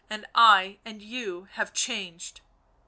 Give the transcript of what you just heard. " And I and you have changed."